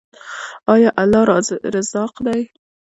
آیا الله رزاق دی؟